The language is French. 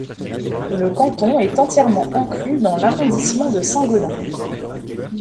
Le canton est entièrement inclus dans l’arrondissement de Saint-Gaudens.